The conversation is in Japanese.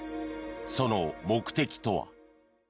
その目的とは。